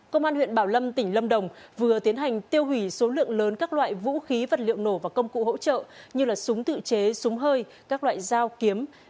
công an huyện bảo lâm tỉnh lâm đồng vừa tiến hành tiêu hủy số lượng lớn các loại vũ khí vật liệu nổ và công cụ hỗ trợ như súng tự chế súng hơi các loại dao kiếm